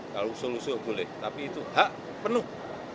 kalau solusi boleh tapi itu hak penuh